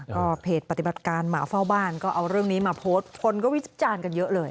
ก็เพจปฏิบัติการหมาเฝ้าบ้านก็เอาเรื่องนี้มาโพสต์คนก็วิจารณ์กันเยอะเลย